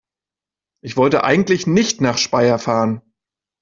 Ich wollte eigentlich nicht nach Speyer fahren